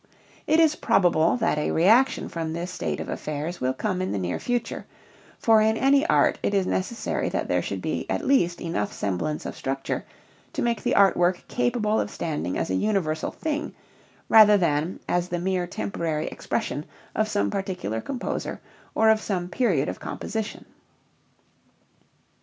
It is probable that a reaction from this state of affairs will come in the near future, for in any art it is necessary that there should be at least enough semblance of structure to make the art work capable of standing as a universal thing rather than as the mere temporary expression of some particular composer or of some period of composition.